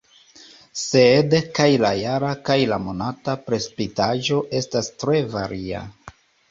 Sed kaj la jara kaj la monata precipitaĵo estas tre varia.